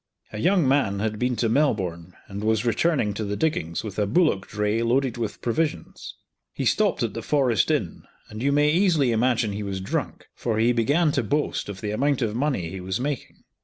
A young man had been to Melbourne and was returning to the diggings with a bullock dray loaded with provisions. He stopped at the Forest Inn, and you may easily imagine he was drunk, for he began to boast of the amount of money he was making.